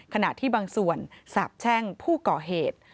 ขณะที่บางส่วนสาบแช่งผู้ก่อเหตุ